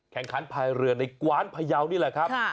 แข่งขันพายเรือในกวานพยาวนี่แหละครับ